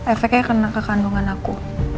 efeknya kena kekandungan aku